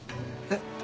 えっ？